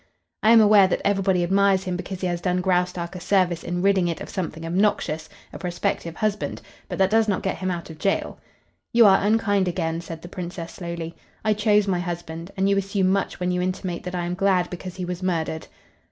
"I am aware that everybody admires him because he has done Graustark a service in ridding it of something obnoxious a prospective husband. But that does not get him out of jail." "You are unkind again," said the Princess, slowly. "I chose my husband, and you assume much when you intimate that I am glad because he was murdered."